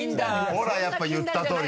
ほらやっぱり言ったとおり。